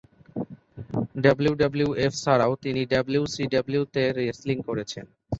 WWF ছাড়াও তিনি WCW তে রেসলিং করেছেন।